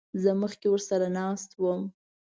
زه مخکې ورسره ناست وم.